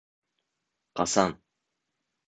Ҡасан